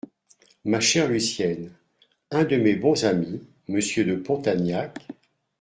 Ma chère Lucienne, un de mes bons amis, Monsieur de Pontagnac…